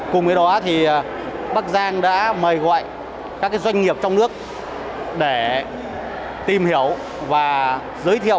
cùng với đó thì bắc giang đã mời gọi các doanh nghiệp trong nước để tìm hiểu và giới thiệu